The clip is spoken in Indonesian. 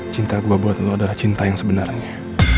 cinta gue buat lo adalah cinta yang sebenarnya